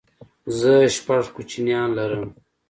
زه شپږ کوچنيان لرم